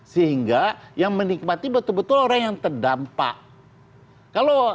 sehingga yang menikmati betul betul orang yang terdampak